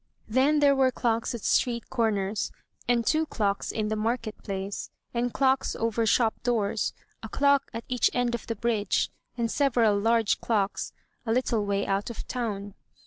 Then there were clocks at street comers, and two clocks in the market place, and clocks over shop doors, a clock at each end of the bridge, and several large clocks a little way out of town.